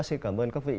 xin cảm ơn các vị